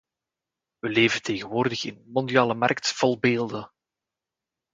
We leven tegenwoordig in een mondiale markt vol beelden.